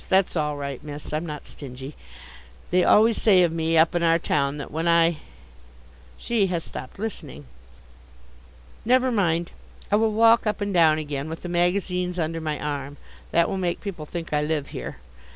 That's all right, miss, I'm not stingy. They always say of me up in our town that when I She has stopped listening. Never mind. I will walk up and down again with the magazines under my arm. That will make people think I live here.